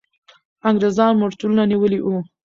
انګریزان مرچلونه نیولي وو.